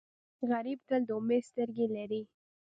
غریب تل د امید سترګې لري